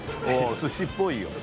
寿司っぽいよ。